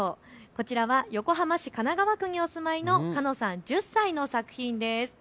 こちらは横浜市神奈川区にお住まいのかのさん、１０歳の作品です。